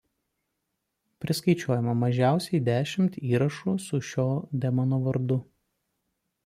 Priskaičiuojama mažiausiai dešimt įrašų su šio demono vardu.